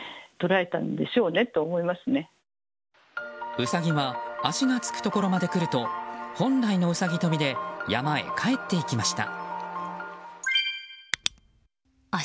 ウサギは足が着くところまで来ると本来のウサギ跳びで山へ帰っていきました。